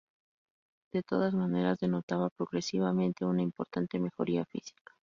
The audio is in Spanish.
De todas maneras denotaba progresivamente una importante mejoría física.